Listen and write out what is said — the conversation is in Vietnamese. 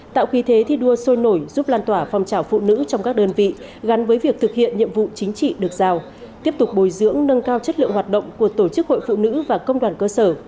tạo khí thế thi đua sôi nổi giúp lan tỏa phong trào phụ nữ trong các đơn vị gắn với việc thực hiện nhiệm vụ chính trị được giao tiếp tục bồi dưỡng nâng cao chất lượng hoạt động của tổ chức hội phụ nữ và công đoàn cơ sở